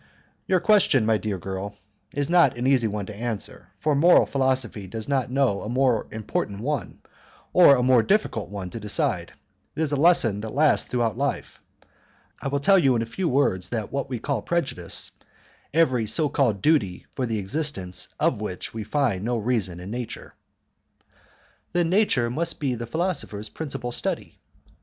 "Your question, my dear girl, is not an easy one to answer, for moral philosophy does not know a more important one, or a more difficult one to decide; it is a lesson which lasts throughout life. I will tell you in a few words that we call prejudice every so called duty for the existence of which we find no reason in nature." "Then nature must be the philosopher's principal study?"